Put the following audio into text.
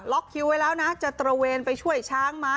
คิวไว้แล้วนะจะตระเวนไปช่วยช้างม้า